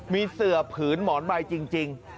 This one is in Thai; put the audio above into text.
มีเสือผืนหมอนใบจริง